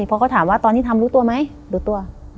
เพราะเขาถามว่าตอนที่ทำรู้ตัวไหมรู้ตัว